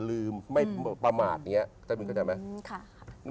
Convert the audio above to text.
ลืมไม่ประมาทอย่างนี้ท่านบินเข้าใจไหม